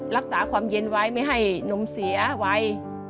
รักษาความเย็นไว้ไม่ให้นมเสียไว